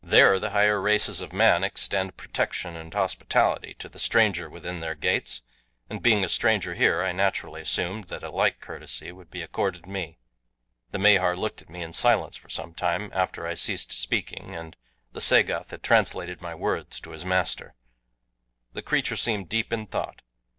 There the higher races of man extend protection and hospitality to the stranger within their gates, and being a stranger here I naturally assumed that a like courtesy would be accorded me." The Mahar looked at me in silence for some time after I ceased speaking and the Sagoth had translated my words to his master. The creature seemed deep in thought.